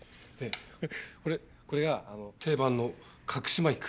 これこれが定番の隠しマイク。